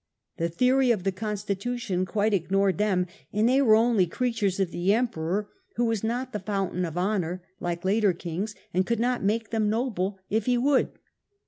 The theory of the constitution quite ignored them, and they were only crea tures of the Emperor, who was not the fountain of honour, like later kings, and could not make them noble if he would.